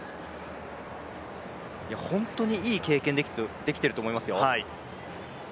本当にいい経験できてると思いますよ。